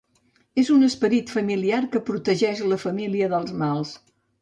És un esperit familiar que protegeix la família dels mals.